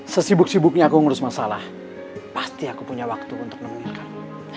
sesibuk sibuknya aku ngurus masalah pasti aku punya waktu untuk nemuin kami